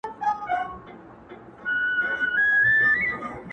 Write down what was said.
وي خوبونه په سيـــــــنـــــــو كــــــــي-